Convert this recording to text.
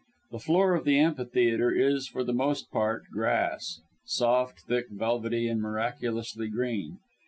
The floor of the amphitheatre is, for the most part, grass soft, thick, velvety and miraculously green.